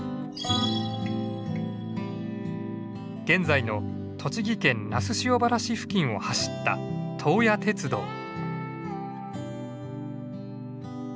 現在の栃木県那須塩原市付近を走った東野鉄道。